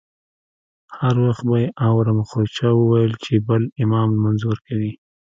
هر وخت به یې اورم خو چا وویل چې بل امام لمونځ ورکوي.